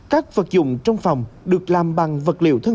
các vật dụng trong phòng được làm bằng vật liệu thất lượng